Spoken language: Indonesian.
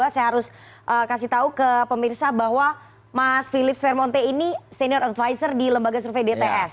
saya harus kasih tahu ke pemirsa bahwa mas philips vermonte ini senior advisor di lembaga survei dts